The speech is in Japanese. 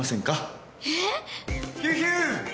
えっ？ヒューヒュー！